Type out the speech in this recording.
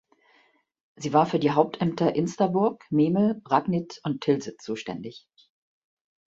Sie war für die Hauptämter Insterburg, Memel, Ragnit und Tilsit zuständig.